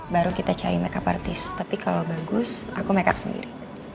baru kita cari makeup artis tapi kalo bagus aku makeup sendiri